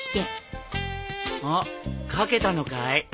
あっ描けたのかい？